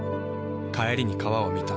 帰りに川を見た。